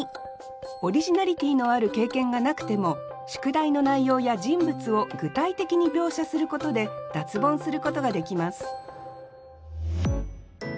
オリジナリティーのある経験がなくても宿題の内容や人物を具体的に描写することで脱ボンすることができます